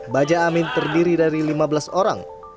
baja amin terdiri dari lima belas orang